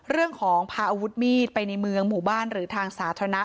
เรื่องของพาอาวุธมีดไปในเมืองหมู่บ้านหรือทางสาธารณะ